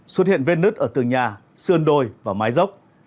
xuất hiện vết nứt ở tường nhà sườn đồi và mái dốc